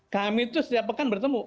kami itu setiap pekan bertemu